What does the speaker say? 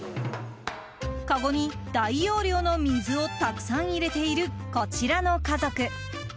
かごに大容量の水をたくさん入れているこちらの家族。